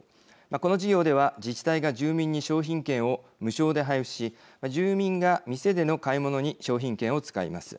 この事業では自治体が住民に商品券を無償で配布し住民が店での買い物に商品券を使います。